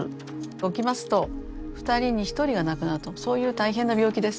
起きますと２人に１人が亡くなるとそういう大変な病気です。